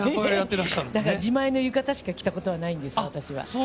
だから、自前の浴衣しか着たことがないんです、私は。